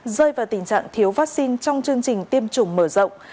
rơi vào tình trạng thiếu vaccine trong chương trình tiêm chủng mở rộng